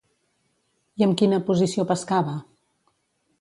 I amb quina posició pescava?